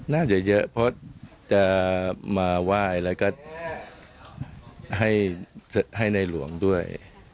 น่าจะเยอะเพราะจะมาไหว้แล้วก็ให้ในหลวงด้วย